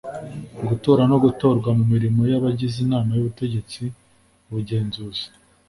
gutora no gutorwa mu mirimo y'abagize inama y'ubutegetsi, ubugenzuzi